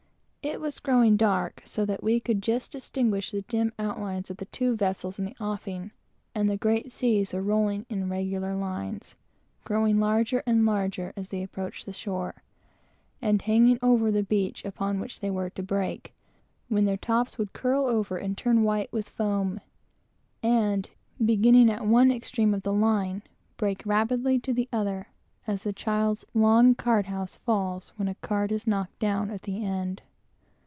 It was growing dark, so that we could just distinguish the dim outlines of the two vessels in the offing; and the great seas were rolling in, in regular lines, growing larger and larger as they approached the shore, and hanging over the beach upon which they were to break, when their tops would curl over and turn white with foam, and, beginning at one extreme of the line, break rapidly to the other, as a long card house falls when the children knock down the cards at one end.